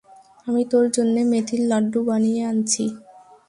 আমি তোর জন্যে মেথির লাড্ডু বানিয়ে আনছি।